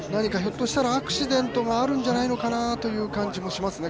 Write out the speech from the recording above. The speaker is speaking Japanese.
何かアクシデントがあるんじゃないのかなという感じがしますね。